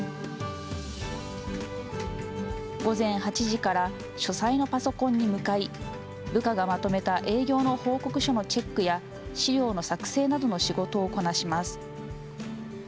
午前８時から書斎のパソコンに向かい、部下がまとめた営業の報告書のチェックや、資料の作成などの仕事をこなします。